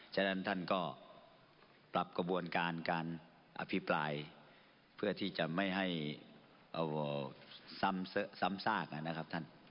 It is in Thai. ฉะนั้นท่านก็ปรับกระบวนการการอภิปรายเพื่อที่จะไม่ให้ซ้ำซากนะครับท่าน